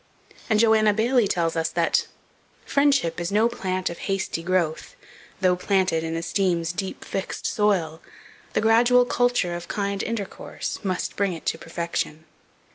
And Joanna Baillie tells us that "Friendship is no plant of hasty growth, Though planted in esteem's deep fixed soil, The gradual culture of kind intercourse Must bring it to perfection."